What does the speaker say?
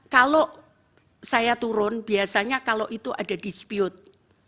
kalau saya turun biasanya kalau itu ada dispute